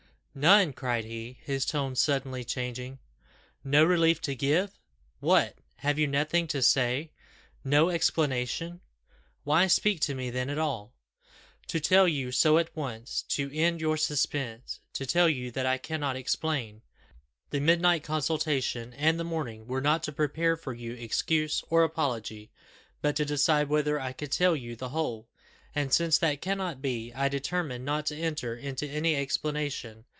"None!" cried he, his tone suddenly changing, "no relief to give! What! have you nothing to say? No explanation? Why speak to me then at all?" "To tell you so at once to end your suspense to tell you that I cannot explain. The midnight consultation and the morning, were not to prepare for you excuse or apology, but to decide whether I could tell you the whole; and since that cannot be, I determined not to enter into any explanation.